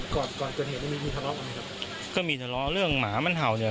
ก่อนเกิดเห็นมันมีทะเลาะอะไรครับก็มีทะเลาะเรื่องหมามันเห่าเนี่ย